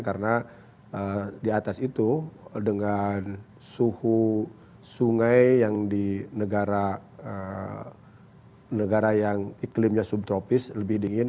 karena di atas itu dengan suhu sungai yang di negara yang iklimnya subtropis lebih dingin